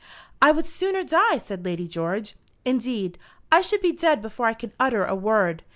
"I would sooner die," said Lady George. "Indeed, I should be dead before I could utter a word.